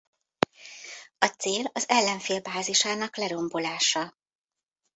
A cél az ellenfél bázisának lerombolása.